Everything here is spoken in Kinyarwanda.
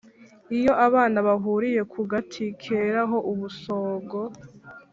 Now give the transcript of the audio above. lyo abana bahuriye ku gati keraho ubusogo,